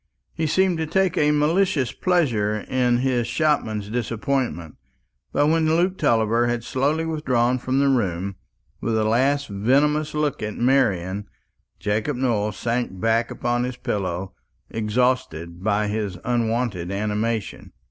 He seemed to take a malicious pleasure in his shopman's disappointment. But when Luke Tulliver had slowly withdrawn from the room, with a last venomous look at Marian, Jacob Nowell sank back upon his pillow exhausted by his unwonted animation.